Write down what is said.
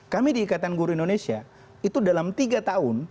kami di ikatan guru indonesia itu dalam tiga tahun